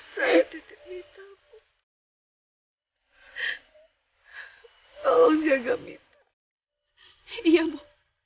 saya tetap minta ibu